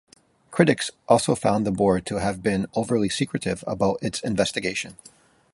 Critics also found the board to have been overly secretive about its investigation.